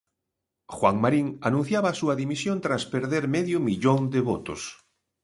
Juan Marín anunciaba a súa dimisión tras perder medio millón de votos.